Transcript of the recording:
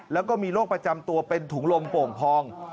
แล้วก็มีโรคประจำตัวเป็นถุงลมโป่งพอง